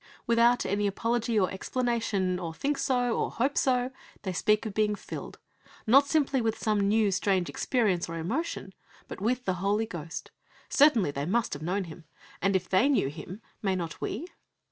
Without any apology or explanation, or "think so" or "hope so," they speak of being "filled" (not simply with some new, strange experience or emotion, but) "with the Holy Ghost." Certainly they must have known Him. And if they knew Him, may not we?